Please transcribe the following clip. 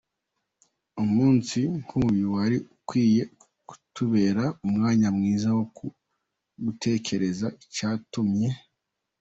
Umunsi nkuyu wari ukwiye kutubera umwanya mwiza wo gutekereza icyatumye